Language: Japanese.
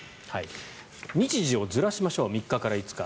日時をずらしましょう３日から５日。